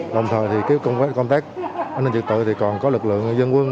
đồng thời thì công tác an ninh dự tự thì còn có lực lượng dân quân